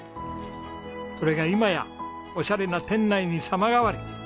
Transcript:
それが今やオシャレな店内に様変わり。